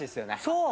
そう！